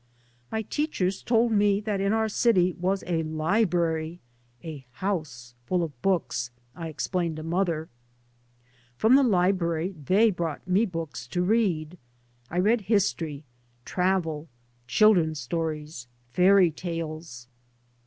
My teachers told me that in our city was a library, a " house full of books," I ex claimed to mother. From the library they brought me books to read. I read history, travel, children's stories, fairy tales.